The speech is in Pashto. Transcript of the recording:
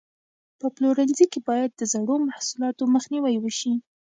په پلورنځي کې باید د زړو محصولاتو مخنیوی وشي.